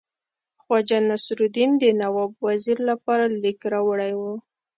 خواجه نصیرالدین د نواب وزیر لپاره لیک راوړی وو.